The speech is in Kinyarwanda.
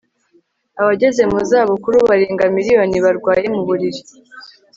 Abageze mu za bukuru barenga miliyoni barwaye mu buriri